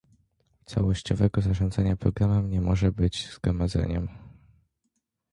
Całościowego Zarządzania Programem nie może być zgromadzeniem